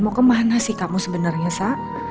mau ke mana sih kamu sebenarnya sa